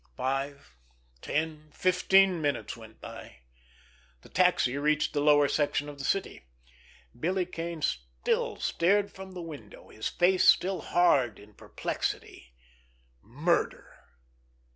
Five, ten, fifteen minutes went by. The taxi reached the lower section of the city. Billy Kane still stared from the window, his face still hard in perplexity. Murder!